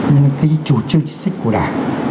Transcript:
những cái chủ trương chính sách của đảng